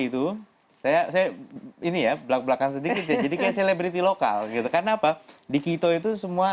itu saya ini ya belak belakan sedikit jadi kayak celebrity lokal gitu karena apa di quito itu semua